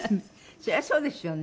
そりゃそうですよね。